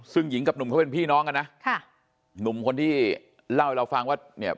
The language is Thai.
ซึ่งหญิงกับหนุ่มเขาเป็นพี่น้องกันนะค่ะหนุ่มคนที่เล่าให้เราฟังว่าเนี่ย